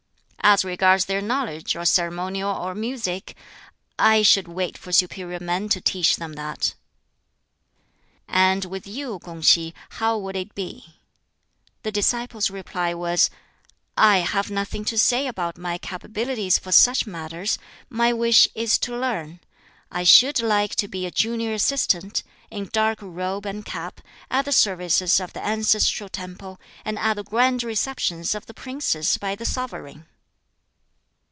As regards their knowledge of ceremonial or music, I should wait for superior men to teach them that." "And with you, Kung si, how would it be?" This disciple's reply was, "I have nothing to say about my capabilities for such matters; my wish is to learn. I should like to be a junior assistant, in dark robe and cap, at the services of the ancestral temple, and at the Grand Receptions of the Princes by the Sovereign."